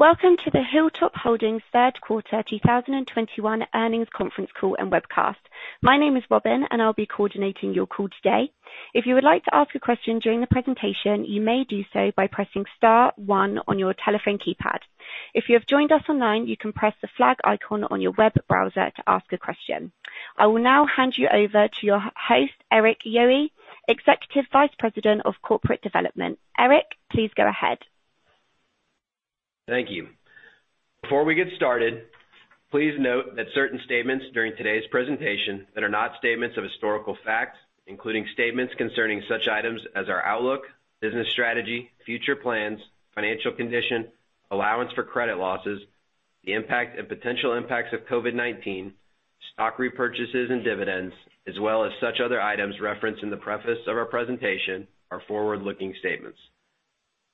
Welcome to the Hilltop Holdings Third Quarter 2021 Earnings Conference Call and Webcast. My name is Robin, and I'll be coordinating your call today. If you would like to ask a question during the presentation, you may do so by pressing star one on your telephone keypad. If you have joined us online, you can press the flag icon on your web browser to ask a question. I will now hand you over to your host, Erik Yohe, Executive Vice President of Corporate Development. Erik, please go ahead. Thank you. Before we get started, please note that certain statements during today's presentation that are not statements of historical facts, including statements concerning such items as our outlook, business strategy, future plans, financial condition, allowance for credit losses, the impact and potential impacts of COVID-19, stock repurchases and dividends, as well as such other items referenced in the preface of our presentation are forward-looking statements.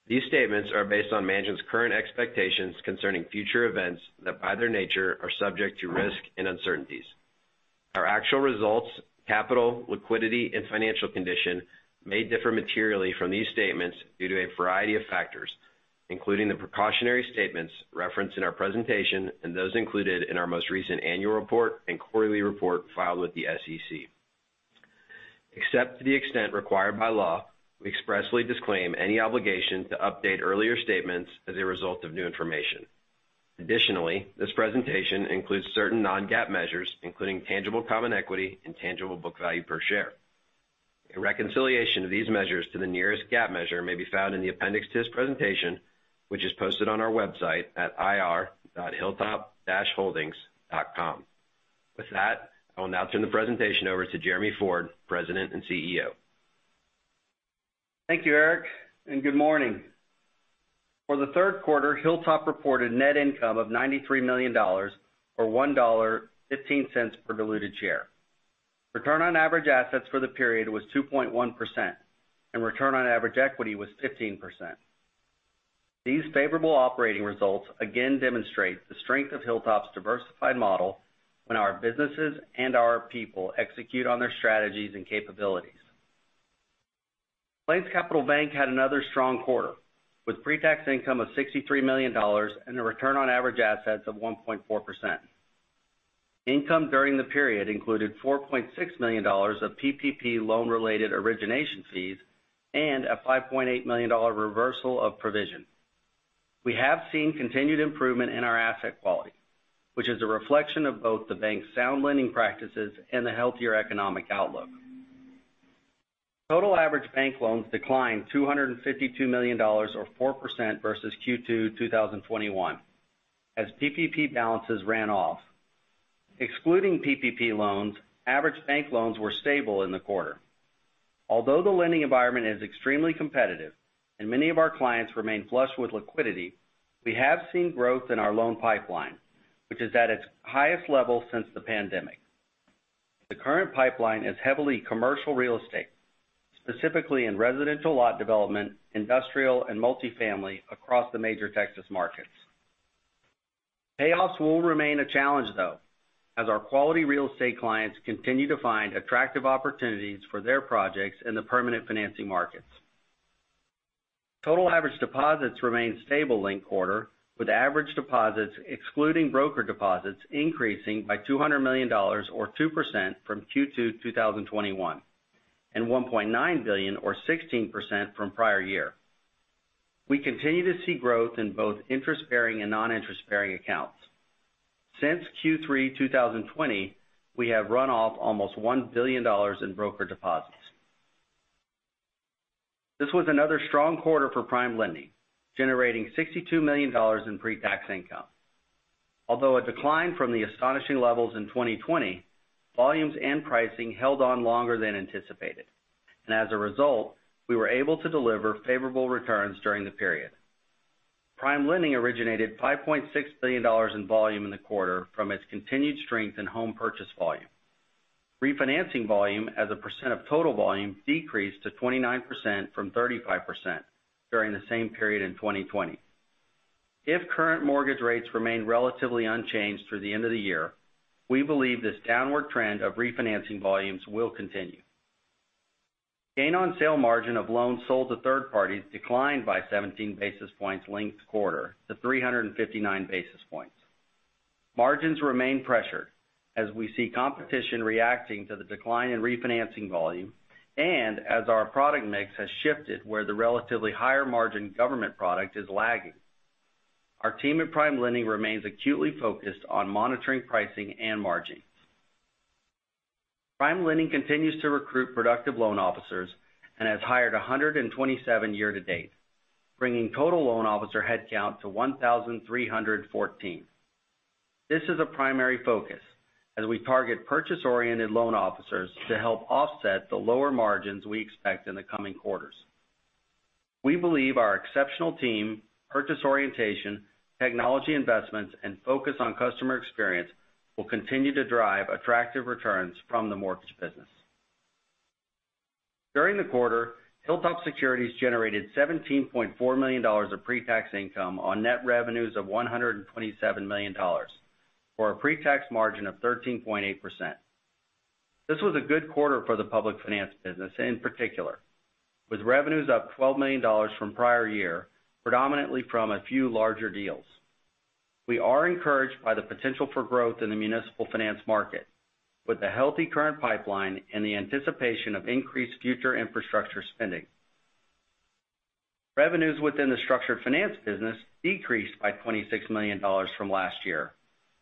These statements are based on management's current expectations concerning future events that, by their nature, are subject to risk and uncertainties. Our actual results, capital, liquidity, and financial condition may differ materially from these statements due to a variety of factors, including the precautionary statements referenced in our presentation and those included in our most recent annual report and quarterly report filed with the SEC. Except to the extent required by law, we expressly disclaim any obligation to update earlier statements as a result of new information. Additionally, this presentation includes certain non-GAAP measures, including tangible common equity and tangible book value per share. A reconciliation of these measures to the nearest GAAP measure may be found in the appendix to this presentation, which is posted on our website at ir.hilltop-holdings.com. With that, I will now turn the presentation over to Jeremy Ford, President and CEO. Thank you, Erik, and good morning. For the third quarter, Hilltop reported net income of $93 million, or $1.15 per diluted share. Return on average assets for the period was 2.1% and return on average equity was 15%. These favorable operating results again demonstrate the strength of Hilltop's diversified model when our businesses and our people execute on their strategies and capabilities. PlainsCapital Bank had another strong quarter, with pre-tax income of $63 million and a return on average assets of 1.4%. Income during the period included $46 million of PPP loan-related origination fees and a $5.8 million reversal of provision. We have seen continued improvement in our asset quality, which is a reflection of both the bank's sound lending practices and the healthier economic outlook. Total average bank loans declined $252 million or 4% versus Q2 2021 as PPP balances ran off. Excluding PPP loans, average bank loans were stable in the quarter. Although the lending environment is extremely competitive and many of our clients remain flush with liquidity, we have seen growth in our loan pipeline, which is at its highest level since the pandemic. The current pipeline is heavily commercial real estate, specifically in residential lot development, industrial and multifamily across the major Texas markets. Payoffs will remain a challenge though, as our quality real estate clients continue to find attractive opportunities for their projects in the permanent financing markets. Total average deposits remained stable linked-quarter, with average deposits excluding broker deposits increasing by $200 million or 2% from Q2 2021, and $1.9 billion or 16% from prior year. We continue to see growth in both interest-bearing and non-interest-bearing accounts. Since Q3 2020, we have run off almost $1 billion in broker deposits. This was another strong quarter for PrimeLending, generating $62 million in pre-tax income. Although a decline from the astonishing levels in 2020, volumes and pricing held on longer than anticipated. As a result, we were able to deliver favorable returns during the period. PrimeLending originated $5.6 billion in volume in the quarter from its continued strength in home purchase volume. Refinancing volume as a percent of total volume decreased to 29% from 35% during the same period in 2020. If current mortgage rates remain relatively unchanged through the end of the year, we believe this downward trend of refinancing volumes will continue. Gain on sale margin of loans sold to third parties declined by 17 basis points linked quarter to 359 basis points. Margins remain pressured as we see competition reacting to the decline in refinancing volume and as our product mix has shifted where the relatively higher margin government product is lagging. Our team at PrimeLending remains acutely focused on monitoring pricing and margins. PrimeLending continues to recruit productive loan officers and has hired 127 year to date, bringing total loan officer headcount to 1,314. This is a primary focus as we target purchase-oriented loan officers to help offset the lower margins we expect in the coming quarters. We believe our exceptional team, purchase orientation, technology investments, and focus on customer experience will continue to drive attractive returns from the mortgage business. During the quarter, HilltopSecurities generated $17.4 million of pre-tax income on net revenues of $127 million, for a pre-tax margin of 13.8%. This was a good quarter for the public finance business, in particular, with revenues up $12 million from prior year, predominantly from a few larger deals. We are encouraged by the potential for growth in the municipal finance market with the healthy current pipeline and the anticipation of increased future infrastructure spending. Revenues within the structured finance business decreased by $26 million from last year,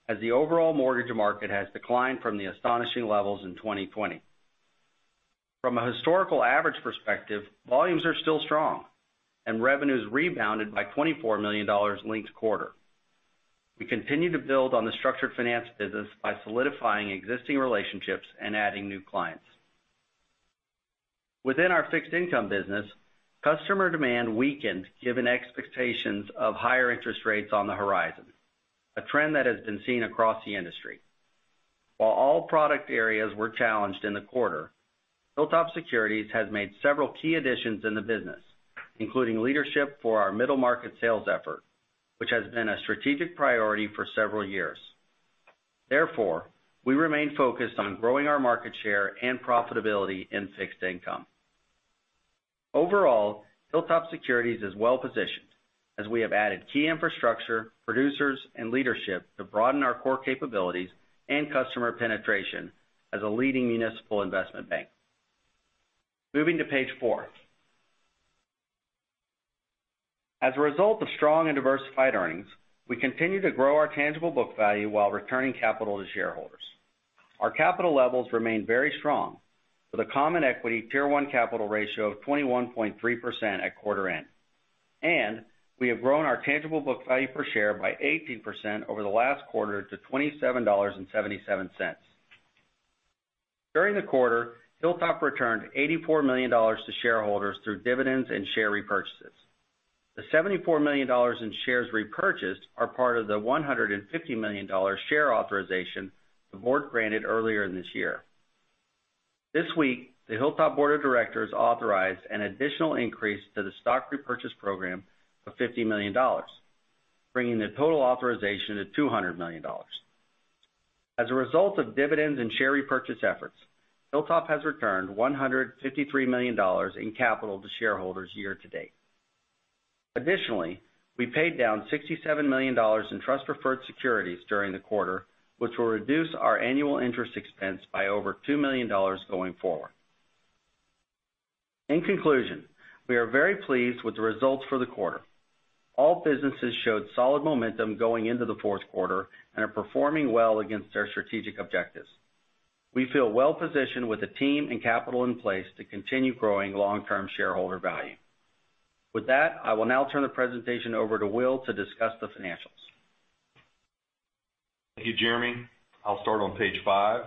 as the overall mortgage market has declined from the astonishing levels in 2020. From a historical average perspective, volumes are still strong and revenues rebounded by $24 million linked quarter. We continue to build on the structured finance business by solidifying existing relationships and adding new clients. Within our fixed income business, customer demand weakened given expectations of higher interest rates on the horizon, a trend that has been seen across the industry. While all product areas were challenged in the quarter, HilltopSecurities has made several key additions in the business, including leadership for our middle market sales effort, which has been a strategic priority for several years. Therefore, we remain focused on growing our market share and profitability in fixed income. Overall, HilltopSecurities is well positioned as we have added key infrastructure, producers and leadership to broaden our core capabilities and customer penetration as a leading municipal investment bank. Moving to page four. As a result of strong and diversified earnings, we continue to grow our tangible book value while returning capital to shareholders. Our capital levels remain very strong, with a Common Equity Tier 1 capital ratio of 21.3% at quarter end, and we have grown our tangible book value per share by 18% over the last quarter to $27.77. During the quarter, Hilltop returned $84 million to shareholders through dividends and share repurchases. The $74 million in shares repurchased are part of the $150 million share authorization the board granted earlier this year. This week, the Hilltop Board of Directors authorized an additional increase to the stock repurchase program of $50 million, bringing the total authorization to $200 million. As a result of dividends and share repurchase efforts, Hilltop has returned $153 million in capital to shareholders year to date. Additionally, we paid down $67 million in trust-preferred securities during the quarter, which will reduce our annual interest expense by over $2 million going forward. In conclusion, we are very pleased with the results for the quarter. All businesses showed solid momentum going into the fourth quarter and are performing well against their strategic objectives. We feel well positioned with the team and capital in place to continue growing long-term shareholder value. With that, I will now turn the presentation over to Will to discuss the financials. Thank you, Jeremy. I'll start on page 5.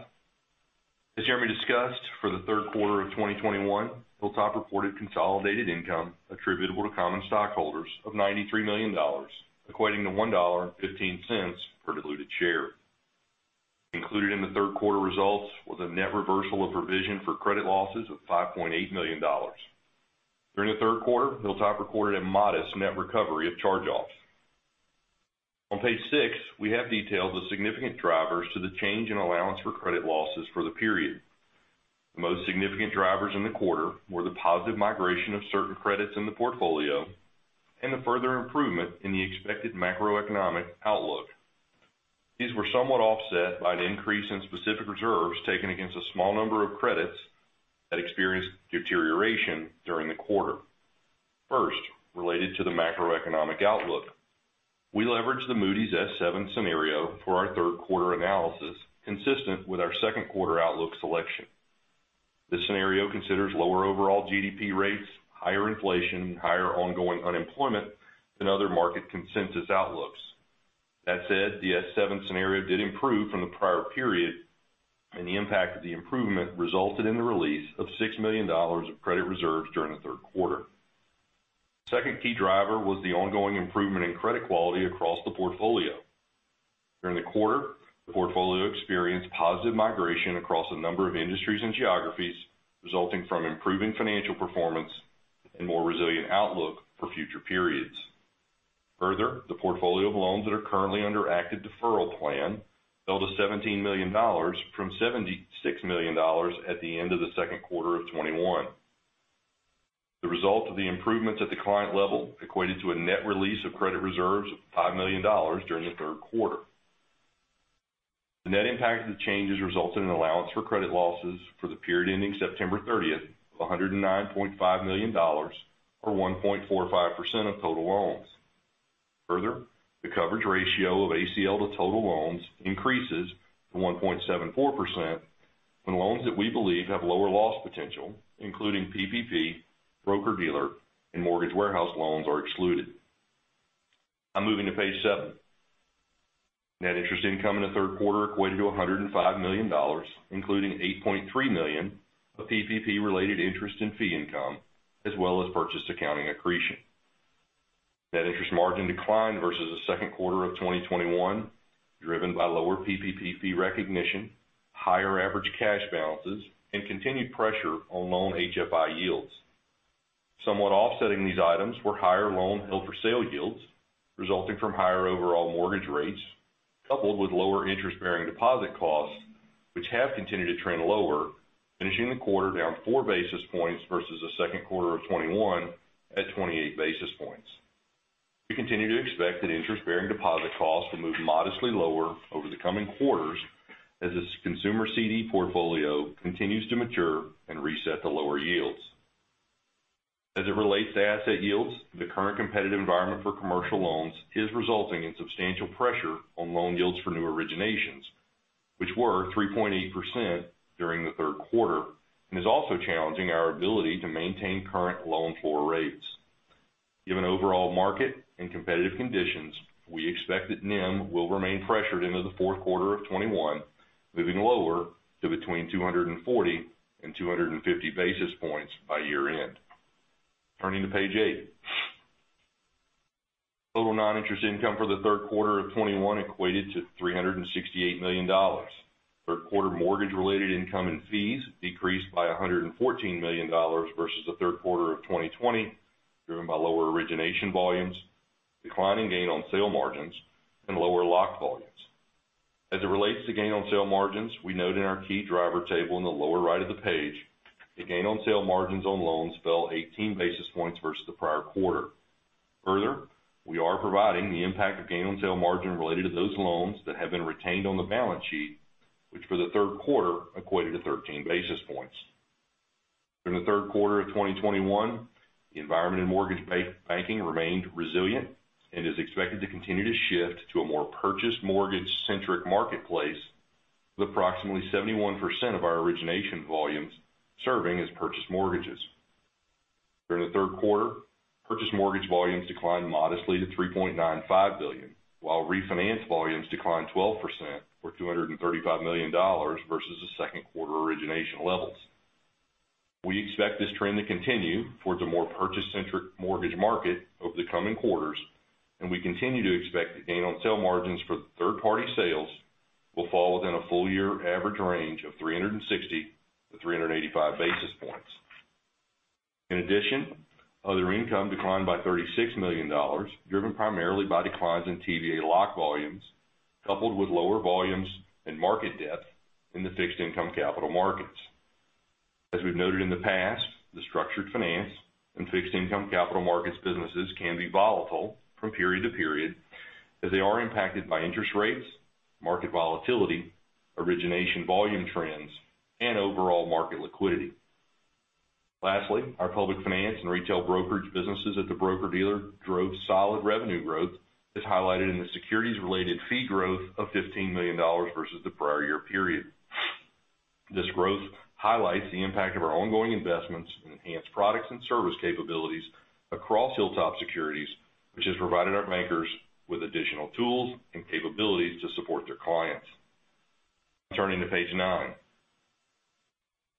As Jeremy discussed, for the third quarter of 2021, Hilltop reported consolidated income attributable to common stockholders of $93 million, equating to $1.15 per diluted share. Included in the third quarter results was a net reversal of provision for credit losses of $5.8 million. During the third quarter, Hilltop recorded a modest net recovery of charge-offs. On page 6, we have detailed the significant drivers to the change in allowance for credit losses for the period. The most significant drivers in the quarter were the positive migration of certain credits in the portfolio and the further improvement in the expected macroeconomic outlook. These were somewhat offset by an increase in specific reserves taken against a small number of credits that experienced deterioration during the quarter. First, related to the macroeconomic outlook. We leveraged the Moody's S7 scenario for our third quarter analysis, consistent with our second quarter outlook selection. This scenario considers lower overall GDP rates, higher inflation, and higher ongoing unemployment than other market consensus outlooks. That said, the S7 scenario did improve from the prior period, and the impact of the improvement resulted in the release of $6 million of credit reserves during the third quarter. The second key driver was the ongoing improvement in credit quality across the portfolio. During the quarter, the portfolio experienced positive migration across a number of industries and geographies, resulting from improving financial performance and more resilient outlook for future periods. Further, the portfolio of loans that are currently under active deferral plan fell to $17 million from $76 million at the end of the second quarter of 2021. The result of the improvements at the client level equated to a net release of credit reserves of $5 million during the third quarter. The net impact of the changes resulted in allowance for credit losses for the period ending September 30 of $109.5 million or 1.45% of total loans. Further, the coverage ratio of ACL to total loans increases to 1.74% when loans that we believe have lower loss potential, including PPP, broker-dealer, and mortgage warehouse loans are excluded. I'm moving to page 7. Net interest income in the third quarter equated to $105 million, including $8.3 million of PPP-related interest and fee income, as well as purchase accounting accretion. Net interest margin declined versus the second quarter of 2021, driven by lower PPP fee recognition, higher average cash balances, and continued pressure on loan HFI yields. Somewhat offsetting these items were higher loan held for sale yields, resulting from higher overall mortgage rates, coupled with lower interest-bearing deposit costs, which have continued to trend lower, finishing the quarter down 4 basis points versus the second quarter of 2021 at 28 basis points. We continue to expect that interest-bearing deposit costs will move modestly lower over the coming quarters as this consumer CD portfolio continues to mature and reset to lower yields. As it relates to asset yields, the current competitive environment for commercial loans is resulting in substantial pressure on loan yields for new originations, which were 3.8% during the third quarter, and is also challenging our ability to maintain current loan floor rates. Given overall market and competitive conditions, we expect that NIM will remain pressured into the fourth quarter of 2021, moving lower to between 240 and 250 basis points by year-end. Turning to page 8. Total non-interest income for the third quarter of 2021 equated to $368 million. Third quarter mortgage related income and fees decreased by $114 million versus the third quarter of 2020, driven by lower origination volumes, declining gain on sale margins, and lower lock volumes. As it relates to gain on sale margins, we note in our key driver table in the lower right of the page, the gain on sale margins on loans fell 18 basis points versus the prior quarter. Further, we are providing the impact of gain on sale margin related to those loans that have been retained on the balance sheet, which for the third quarter equated to 13 basis points. During the third quarter of 2021, the environment in mortgage banking remained resilient and is expected to continue to shift to a more purchase mortgage centric marketplace, with approximately 71% of our origination volumes serving as purchase mortgages. During the third quarter, purchase mortgage volumes declined modestly to $3.95 billion, while refinance volumes declined 12% or $235 million versus the second quarter origination levels. We expect this trend to continue towards a more purchase centric mortgage market over the coming quarters, and we continue to expect the gain on sale margins for the third party sales will fall within a full year average range of 360-385 basis points. In addition, other income declined by $36 million, driven primarily by declines in TBA lock volumes, coupled with lower volumes and market depth in the fixed income capital markets. As we've noted in the past, the structured finance and fixed income capital markets businesses can be volatile from period to period, as they are impacted by interest rates, market volatility, origination volume trends, and overall market liquidity. Lastly, our public finance and retail brokerage businesses at the broker-dealer drove solid revenue growth, as highlighted in the securities related fee growth of $15 million versus the prior year period. This growth highlights the impact of our ongoing investments in enhanced products and service capabilities across HilltopSecurities, which has provided our bankers with additional tools and capabilities to support their clients. Turning to page nine.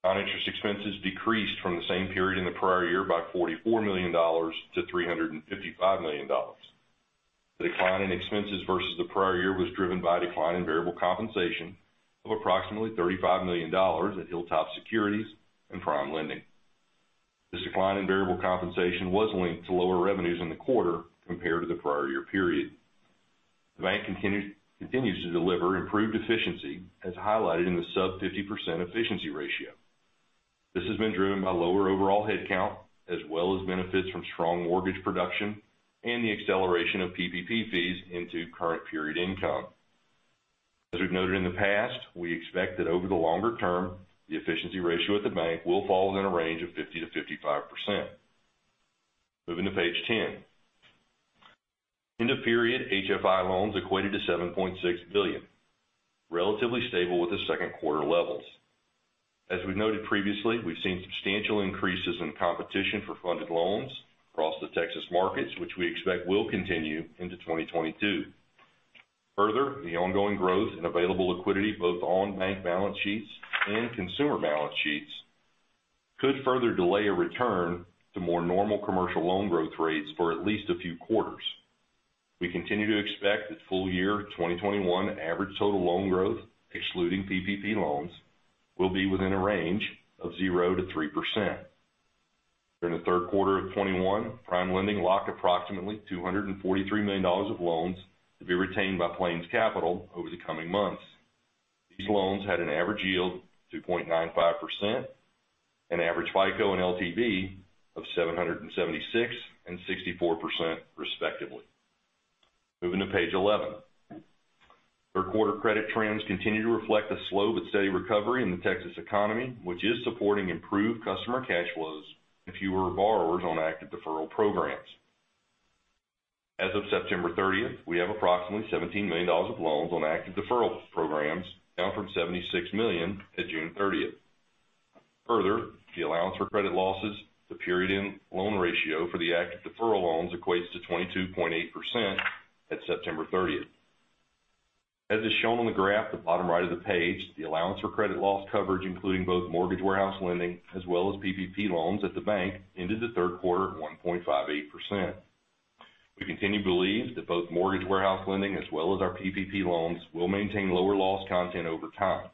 Non-interest expenses decreased from the same period in the prior year by $44 million to $355 million. The decline in expenses versus the prior year was driven by a decline in variable compensation of approximately $35 million at HilltopSecurities and PrimeLending. This decline in variable compensation was linked to lower revenues in the quarter compared to the prior year period. The bank continues to deliver improved efficiency, as highlighted in the sub-50% efficiency ratio. This has been driven by lower overall headcount, as well as benefits from strong mortgage production and the acceleration of PPP fees into current period income. We've noted in the past, we expect that over the longer term, the efficiency ratio at the bank will fall within a range of 50%-55%. Moving to page 10. End-of-period HFI loans equated to $7.6 billion, relatively stable with the second-quarter levels. We've noted previously, we've seen substantial increases in competition for funded loans across the Texas markets, which we expect will continue into 2022. Further, the ongoing growth in available liquidity, both on bank balance sheets and consumer balance sheets, could further delay a return to more normal commercial loan growth rates for at least a few quarters. We continue to expect that full year 2021 average total loan growth, excluding PPP loans, will be within a range of 0%-3%. During the third quarter of 2021, PrimeLending locked approximately $243 million of loans to be retained by PlainsCapital over the coming months. These loans had an average yield of 2.95%, an average FICO and LTV of 776 and 64%, respectively. Moving to page 11. Third quarter credit trends continue to reflect a slow but steady recovery in the Texas economy, which is supporting improved customer cash flows and fewer borrowers on active deferral programs. As of September 30, we have approximately $17 million of loans on active deferral programs, down from $76 million at June 30. Further, the allowance for credit losses to the period end loan ratio for the active deferral loans equates to 22.8% at September 30. As is shown on the graph at the bottom right of the page, the allowance for credit loss coverage, including both mortgage warehouse lending as well as PPP loans at the bank, ended the third quarter at 1.58%. We continue to believe that both mortgage warehouse lending as well as our PPP loans will maintain lower loss content over time.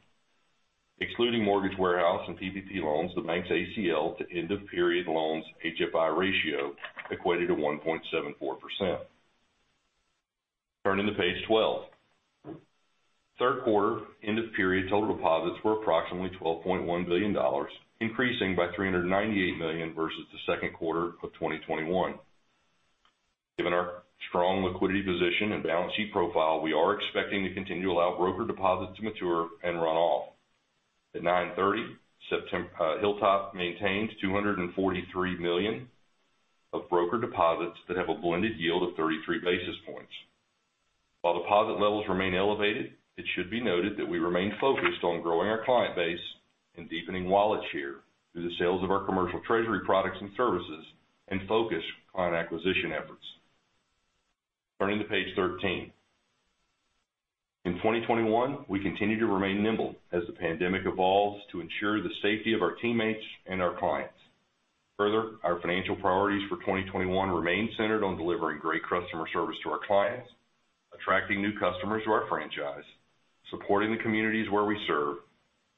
Excluding mortgage warehouse and PPP loans, the bank's ACL to end of period loans HFI ratio equated to 1.74%. Turning to page 12. Third quarter end-of-period total deposits were approximately $12.1 billion, increasing by $398 million versus the second quarter of 2021. Given our strong liquidity position and balance sheet profile, we are expecting to continue to allow broker deposits to mature and run off. At 9/30, Hilltop maintains $243 million of broker deposits that have a blended yield of 33 basis points. While deposit levels remain elevated, it should be noted that we remain focused on growing our client base and deepening wallet share through the sales of our commercial treasury products and services and focus client acquisition efforts. Turning to page 13. In 2021, we continue to remain nimble as the pandemic evolves to ensure the safety of our teammates and our clients. Further, our financial priorities for 2021 remain centered on delivering great customer service to our clients, attracting new customers to our franchise, supporting the communities where we serve,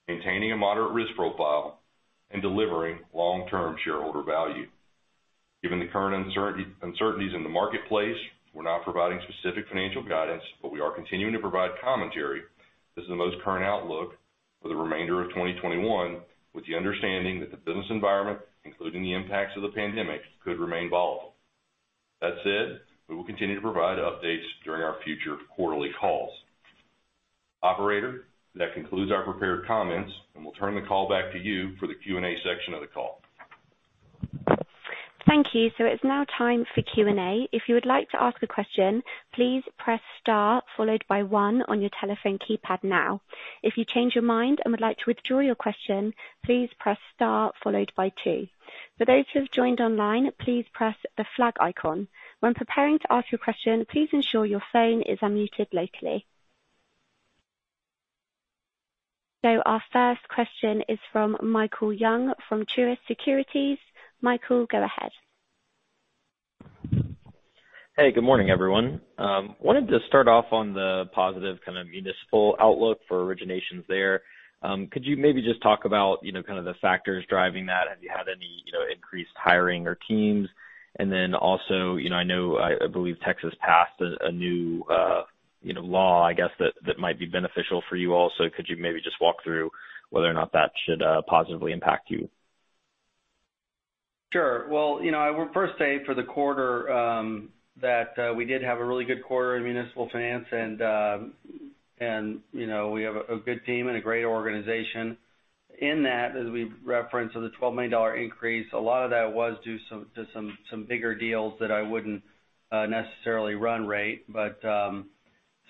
maintaining a moderate risk profile and delivering long-term shareholder value. Given the current uncertainties in the marketplace, we're not providing specific financial guidance, but we are continuing to provide commentary as the most current outlook for the remainder of 2021, with the understanding that the business environment, including the impacts of the pandemic, could remain volatile. That said, we will continue to provide updates during our future quarterly calls. Operator, that concludes our prepared comments, and we'll turn the call back to you for the Q&A section of the call. Thank you. It's now time for Q&A. If you would like to ask a question, please press star followed by one on your telephone keypad now. If you change your mind and would like to withdraw your question, please press star followed by two. For those who have joined online, please press the flag icon. When preparing to ask your question, please ensure your phone is unmuted locally. Our first question is from Michael Young, from Truist Securities. Michael, go ahead. Hey, good morning, everyone. I wanted to start off on the positive kind of municipal outlook for originations there. Could you maybe just talk about, you know, kind of the factors driving that? Have you had any, you know, increased hiring or teams? Then also, you know, I know, I believe Texas passed a new, you know, law, I guess that might be beneficial for you also. Could you maybe just walk through whether or not that should positively impact you? Sure. Well, you know, I will first say for the quarter that we did have a really good quarter in municipal finance and you know we have a good team and a great organization. In that, as we've referenced, the $12 million increase, a lot of that was due to some bigger deals that I wouldn't necessarily run rate.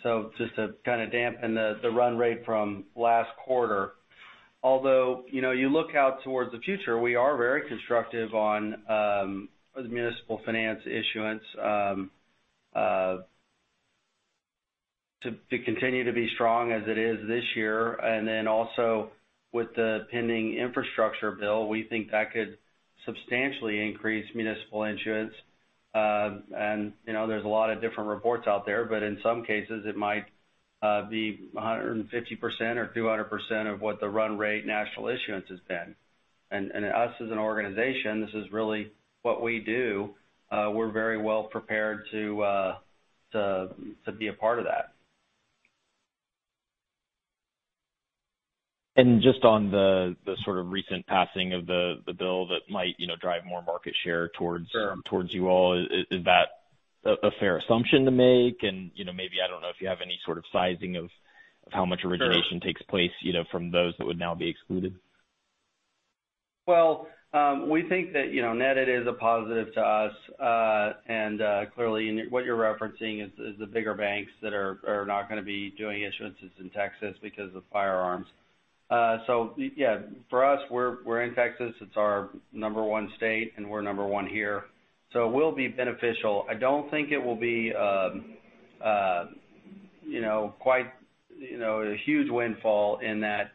So just to kinda dampen the run rate from last quarter, although you know you look out towards the future, we are very constructive on the municipal finance issuance to continue to be strong as it is this year. Then also with the pending infrastructure bill, we think that could substantially increase municipal issuance. You know, there's a lot of different reports out there, but in some cases, it might be 150% or 200% of what the run rate national issuance has been. Us as an organization, this is really what we do. We're very well prepared to be a part of that. Just on the sort of recent passing of the bill that might, you know, drive more market share towards. Sure. towards you all, is that a fair assumption to make? You know, maybe I don't know if you have any sort of sizing of how much origination Sure. takes place, you know, from those that would now be excluded. Well, we think that, you know, net it is a positive to us. Clearly what you're referencing is the bigger banks that are not gonna be doing issuances in Texas because of firearms. Yeah, for us, we're in Texas, it's our number one state, and we're number one here. It will be beneficial. I don't think it will be, you know, quite, you know, a huge windfall in that,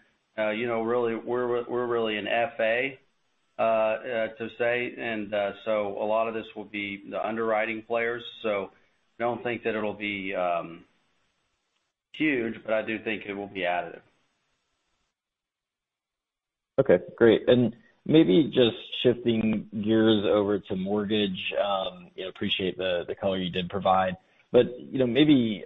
you know, really we're really an FA, to say, and so a lot of this will be the underwriting players. I don't think that it'll be huge, but I do think it will be additive. Okay, great. Maybe just shifting gears over to mortgage, you know, appreciate the color you did provide. You know, maybe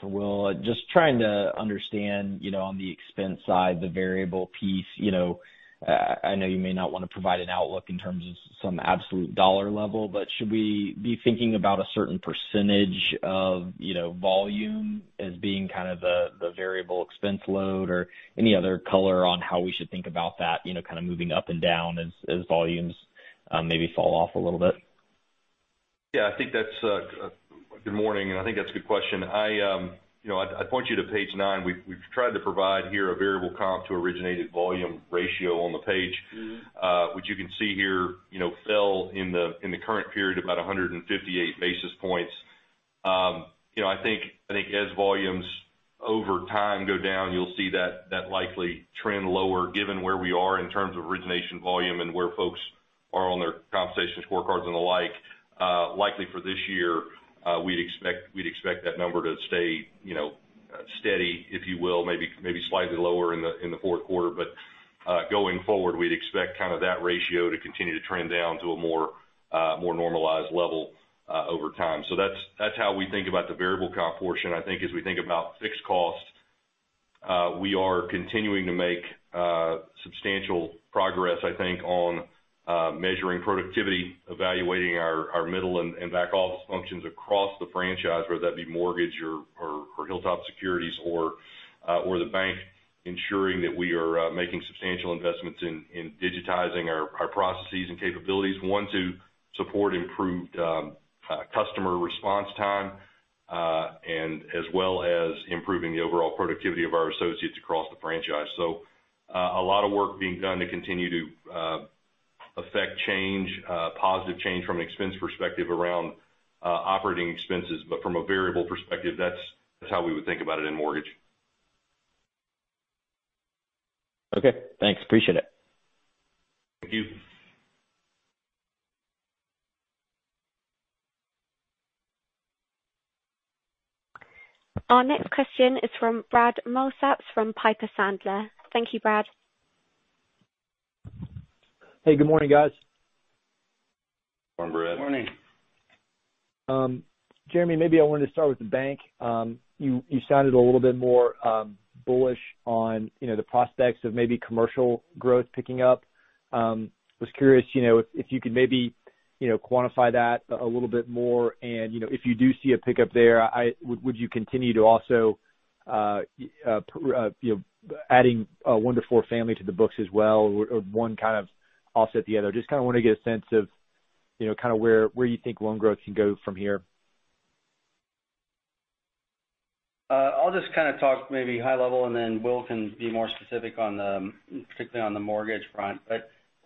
for Will, just trying to understand, you know, on the expense side, the variable piece, you know, I know you may not wanna provide an outlook in terms of some absolute dollar level, but should we be thinking about a certain percentage of, you know, volume as being kind of the variable expense load or any other color on how we should think about that, you know, kinda moving up and down as volumes maybe fall off a little bit? Good morning. I think that's a good question. I, you know, point you to page nine. We've tried to provide here a variable comp to originated volume ratio on the page. Mm-hmm. Which you can see here, you know, fell in the current period about 158 basis points. You know, I think as volumes over time go down, you'll see that likely trend lower given where we are in terms of origination volume and where folks are on their compensation scorecards and the like. Likely for this year, we'd expect that number to stay, you know, steady, if you will, maybe slightly lower in the fourth quarter. Going forward, we'd expect kind of that ratio to continue to trend down to a more normalized level over time. That's how we think about the variable comp portion. I think as we think about fixed costs, we are continuing to make substantial progress, I think, on measuring productivity, evaluating our middle and back office functions across the franchise, whether that be mortgage or HilltopSecurities or the bank, ensuring that we are making substantial investments in digitizing our processes and capabilities to support improved customer response time and as well as improving the overall productivity of our associates across the franchise. A lot of work being done to continue to affect change, positive change from an expense perspective around operating expenses. From a variable perspective, that's how we would think about it in mortgage. Okay. Thanks. Appreciate it. Thank you. Our next question is from Brad Milsaps from Piper Sandler. Thank you, Brad. Hey, good morning, guys. Morning, Brad. Morning. Jeremy, maybe I wanted to start with the bank. You sounded a little bit more bullish on, you know, the prospects of maybe commercial growth picking up. Was curious, you know, if you could maybe, you know, quantify that a little bit more. You know, if you do see a pickup there, would you continue to also, you know, adding one to four family to the books as well? Would one kind of offset the other? Just kinda wanna get a sense of, you know, kind of where you think loan growth can go from here. I'll just kind of talk maybe high level, and then Will can be more specific on the, particularly on the mortgage front.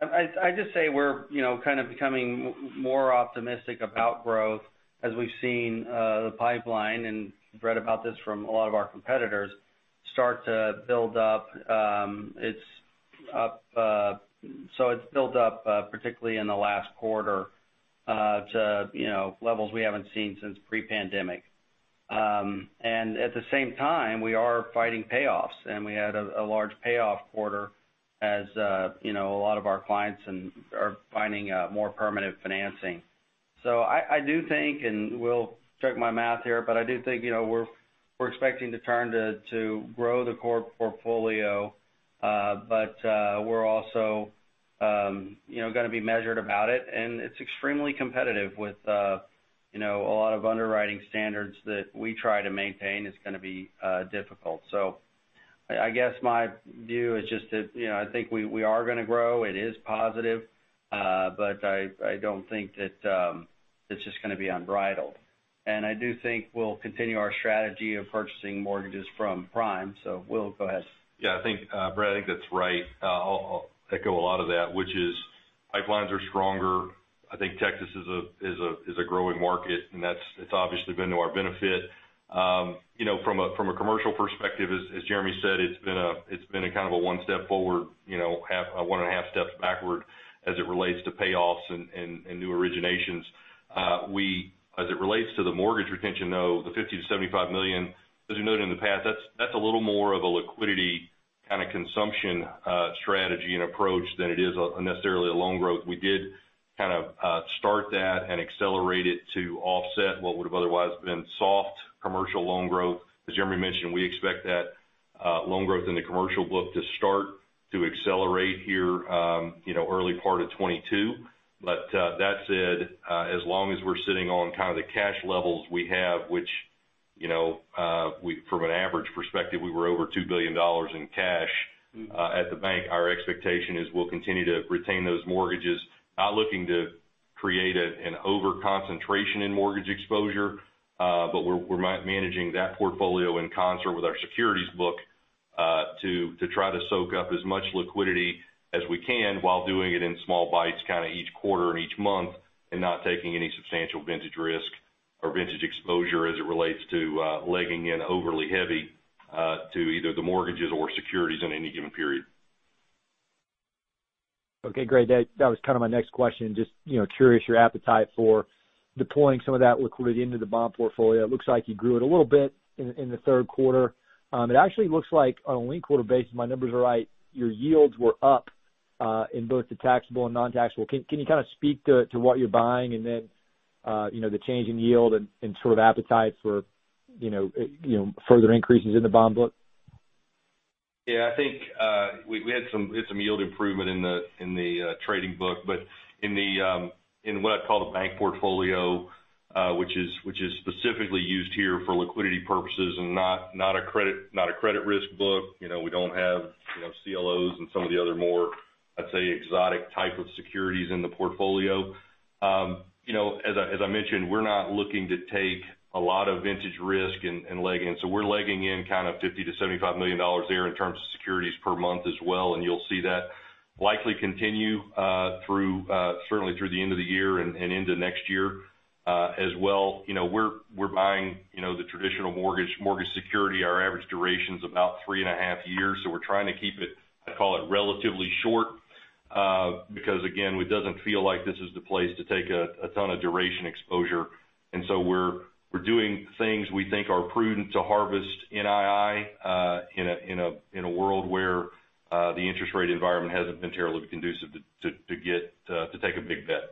I'd just say we're, you know, kind of becoming more optimistic about growth as we've seen the pipeline, and read about this from a lot of our competitors, start to build up. It's built up particularly in the last quarter to, you know, levels we haven't seen since pre-pandemic. And at the same time, we are fighting payoffs, and we had a large payoff quarter as, you know, a lot of our clients are finding more permanent financing. I do think, and Will, check my math here, but I do think, you know, we're expecting to return to grow the core portfolio, but we're also, you know, gonna be measured about it. It's extremely competitive with, you know, a lot of underwriting standards that we try to maintain is gonna be difficult. I guess my view is just to, you know, I think we are gonna grow. It is positive, but I don't think that it's just gonna be unbridled. I do think we'll continue our strategy of purchasing mortgages from Prime. Will, go ahead. Yeah. I think, Brad, I think that's right. I'll echo a lot of that, which is pipelines are stronger. I think Texas is a growing market, and that's. It's obviously been to our benefit. You know, from a commercial perspective, as Jeremy said, it's been a kind of a one step forward, you know, one and a half steps backward as it relates to payoffs and new originations. As it relates to the mortgage retention, though, the $50 million-$75 million, as we noted in the past, that's a little more of a liquidity kind of consumption strategy and approach than it is necessarily a loan growth. We did kind of start that and accelerate it to offset what would've otherwise been soft commercial loan growth. As Jeremy mentioned, we expect that loan growth in the commercial book to start to accelerate here, you know, early part of 2022. That said, as long as we're sitting on kind of the cash levels we have, which, you know, from an average perspective, we were over $2 billion in cash at the bank, our expectation is we'll continue to retain those mortgages. Not looking to create an overconcentration in mortgage exposure, but we're managing that portfolio in concert with our securities book to try to soak up as much liquidity as we can while doing it in small bites kind of each quarter and each month and not taking any substantial vintage risk or vintage exposure as it relates to legging in overly heavy to either the mortgages or securities in any given period. Okay. Great. That was kind of my next question. Just, you know, curious your appetite for deploying some of that liquidity into the bond portfolio. It looks like you grew it a little bit in the third quarter. It actually looks like on a linked quarter basis, if my numbers are right, your yields were up in both the taxable and non-taxable. Can you kind of speak to what you're buying and then, you know, the change in yield and sort of appetite for, you know, further increases in the bond book? Yeah. I think we had some yield improvement in the trading book. In what I'd call the bank portfolio, which is specifically used here for liquidity purposes and not a credit risk book, you know, we don't have, you know, CLOs and some of the other more, I'd say, exotic type of securities in the portfolio. You know, as I mentioned, we're not looking to take a lot of vintage risk and leg in. We're legging in kind of $50 million-$75 million there in terms of securities per month as well, and you'll see that likely continue through certainly through the end of the year and into next year. As well, you know, we're buying, you know, the traditional mortgage security. Our average duration's about 3.5 years, so we're trying to keep it, I'd call it, relatively short. Because again, it doesn't feel like this is the place to take a ton of duration exposure. We're doing things we think are prudent to harvest NII in a world where the interest rate environment hasn't been terribly conducive to take a big bet.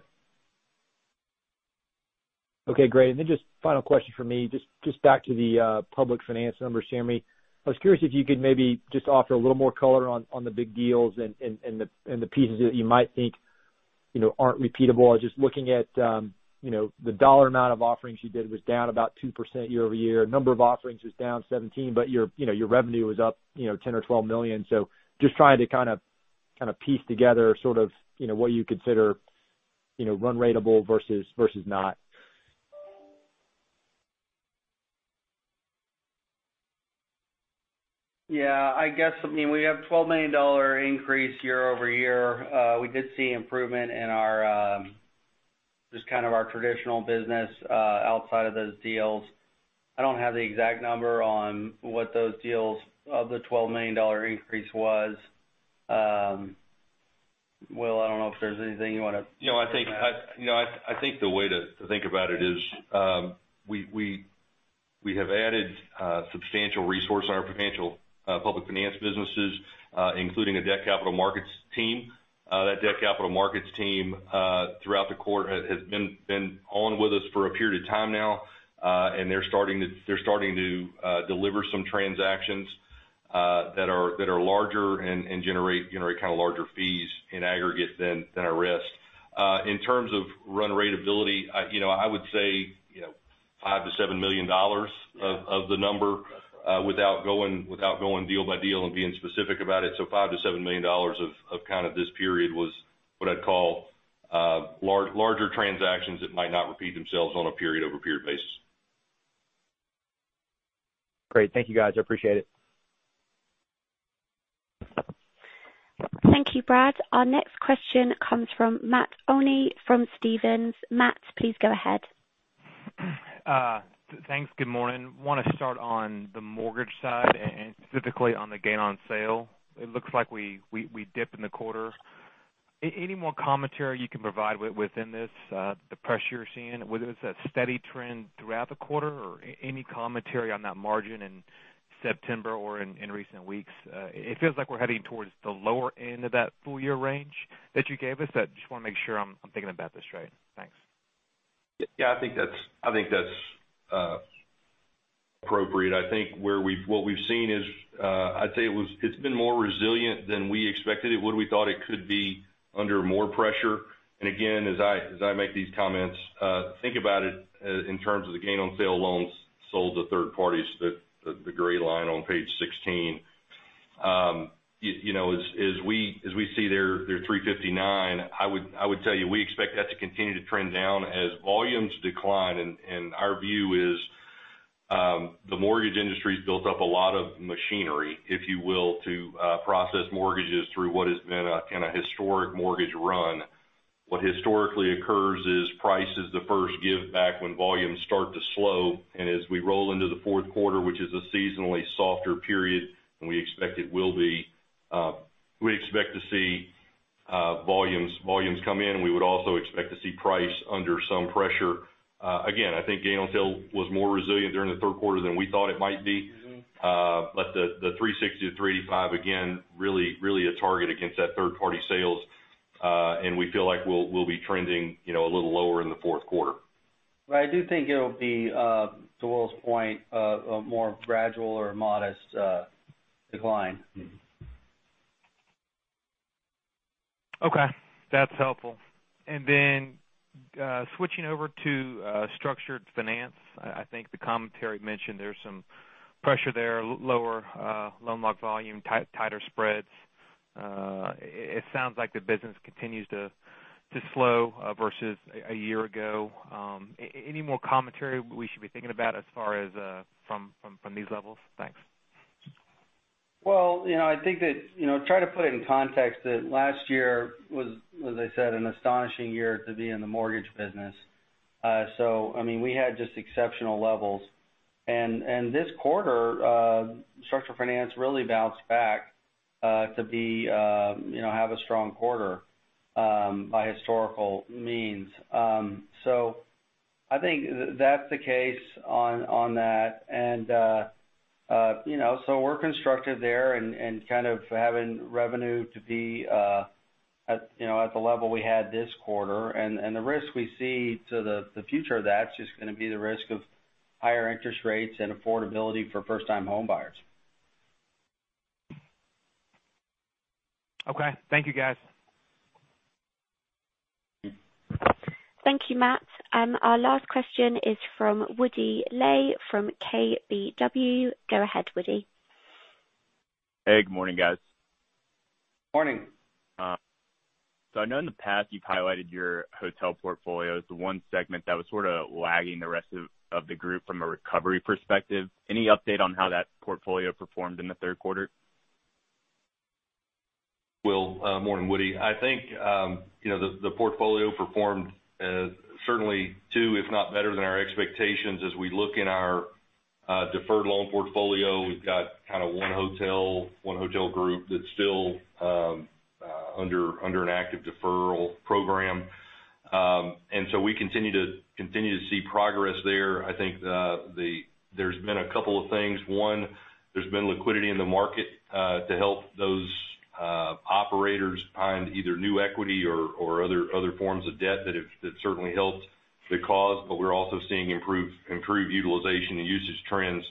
Okay, great. Just final question from me. Just back to the public finance numbers, Sammy. I was curious if you could maybe just offer a little more color on the big deals and the pieces that you might think you know aren't repeatable. I was just looking at you know the dollar amount of offerings you did was down about 2% year-over-year. Number of offerings was down 17, but you know your revenue was up you know $10-$12 million. Just trying to kind of piece together sort of you know what you consider you know run ratable versus not. Yeah, I guess, I mean, we have $12 million increase year-over-year. We did see improvement in our just kind of our traditional business outside of those deals. I don't have the exact number on what those deals of the $12 million increase was. Will, I don't know if there's anything you wanna- You know, I think the way to think about it is we have added substantial resources to our public finance businesses, including a debt capital markets team. That debt capital markets team throughout the quarter has been on with us for a period of time now. They're starting to deliver some transactions that are larger and generate kind of larger fees in aggregate than our risk. In terms of run ratability, I would say, you know, $5 million-$7 million of the number without going deal by deal and being specific about it. $5 million-$7 million of kind of this period was what I'd call larger transactions that might not repeat themselves on a period-over-period basis. Great. Thank you, guys. I appreciate it. Thank you, Brad. Our next question comes from Matt Olney from Stephens. Matt, please go ahead. Thanks. Good morning. Want to start on the mortgage side and specifically on the gain on sale. It looks like we dipped in the quarter. Any more commentary you can provide within this, the pressure you're seeing, whether it's a steady trend throughout the quarter or any commentary on that margin in September or in recent weeks? It feels like we're heading towards the lower end of that full year range that you gave us. I just want to make sure I'm thinking about this right. Thanks. Yeah, I think that's appropriate. I think what we've seen is, I'd say it's been more resilient than we expected it would. We thought it could be under more pressure. Again, as I make these comments, think about it in terms of the gain on sale loans sold to third parties, the gray line on page 16. You know, as we see their 359, I would tell you, we expect that to continue to trend down as volumes decline. Our view is, the mortgage industry's built up a lot of machinery, if you will, to process mortgages through what has been a kind of historic mortgage run. What historically occurs is price is the first give back when volumes start to slow. As we roll into the fourth quarter, which is a seasonally softer period, and we expect it will be, we expect to see volumes come in. We would also expect to see price under some pressure. Again, I think gain on sale was more resilient during the third quarter than we thought it might be. The 360-385, again, really a target against that third-party sales. We feel like we'll be trending, you know, a little lower in the fourth quarter. I do think it'll be, to Will's point, a more gradual or modest decline. Mm-hmm. Okay, that's helpful. Switching over to structured finance. I think the commentary mentioned there's some pressure there, lower loan lock volume, tighter spreads. It sounds like the business continues to slow versus a year ago. Any more commentary we should be thinking about as far as from these levels? Thanks. Well, you know, I think that, you know, try to put it in context that last year was, as I said, an astonishing year to be in the mortgage business. We had just exceptional levels. This quarter, structured finance really bounced back to have a strong quarter by historical means. I think that's the case on that. We're constructed there and kind of having revenue to be at the level we had this quarter. The risk we see to the future of that's just gonna be the risk of higher interest rates and affordability for first time home buyers. Okay. Thank you, guys. Thank you, Matt. Our last question is from Woody Lay from KBW. Go ahead, Woody. Hey, good morning, guys. Morning. I know in the past you've highlighted your hotel portfolio as the one segment that was sort of lagging the rest of the group from a recovery perspective. Any update on how that portfolio performed in the third quarter? Will, morning, Woody. I think, you know, the portfolio performed certainly too, if not better than our expectations. As we look in our deferred loan portfolio, we've got one hotel group that's still under an active deferral program. We continue to see progress there. I think there's been a couple of things. One, there's been liquidity in the market to help those operators find either new equity or other forms of debt that certainly helped the cause. We're also seeing improved utilization and usage trends.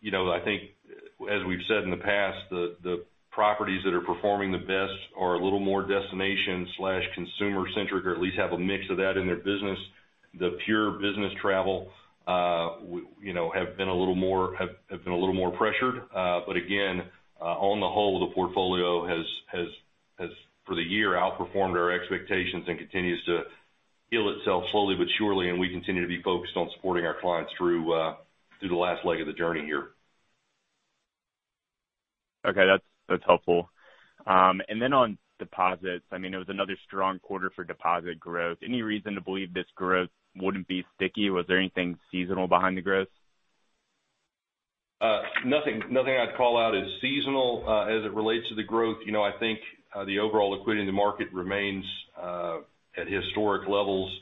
You know, I think as we've said in the past, the properties that are performing the best are a little more destination/consumer centric or at least have a mix of that in their business. The pure business travel, you know, have been a little more pressured. But again, on the whole, the portfolio has, for the year, outperformed our expectations and continues to heal itself slowly but surely, and we continue to be focused on supporting our clients through the last leg of the journey here. Okay, that's helpful. On deposits, I mean, it was another strong quarter for deposit growth. Any reason to believe this growth wouldn't be sticky? Was there anything seasonal behind the growth? Nothing I'd call out as seasonal, as it relates to the growth. You know, I think, the overall liquidity in the market remains, at historic levels.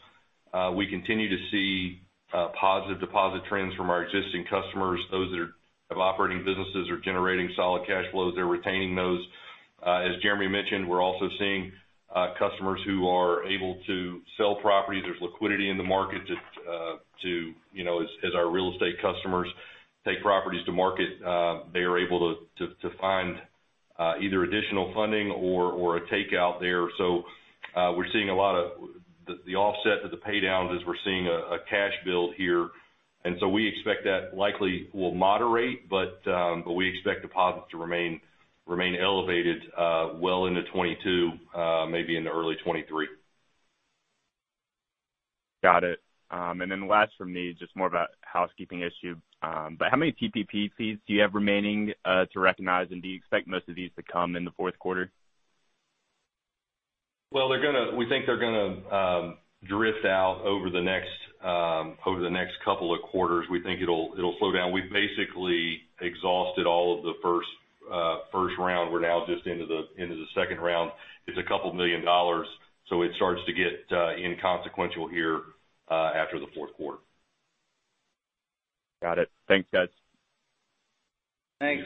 We continue to see positive deposit trends from our existing customers. Those that are operating businesses are generating solid cash flows. They're retaining those. As Jeremy mentioned, we're also seeing customers who are able to sell properties. There's liquidity in the market to, you know, as our real estate customers take properties to market, they are able to find either additional funding or a takeout there. We're seeing a lot of the offset to the pay downs as we're seeing a cash build here. We expect that likely will moderate, but we expect deposits to remain elevated well into 2022, maybe into early 2023. Got it. Last for me, just more about housekeeping issue. How many PPP fees do you have remaining, to recognize? Do you expect most of these to come in the fourth quarter? Well, we think they're gonna drift out over the next couple of quarters. We think it'll slow down. We've basically exhausted all of the first round. We're now just into the second round. It's $2 million, so it starts to get inconsequential here after the fourth quarter. Got it. Thanks, guys. Thanks.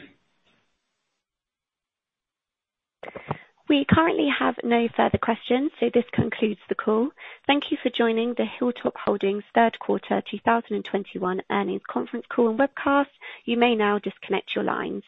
We currently have no further questions, so this concludes the call. Thank you for joining the Hilltop Holdings Third Quarter 2021 Earnings Conference Call and Webcast. You may now disconnect your lines.